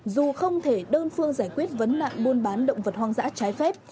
dù không thể đơn phương giải quyết vấn nạn buôn bán động vật hoang dã trái phép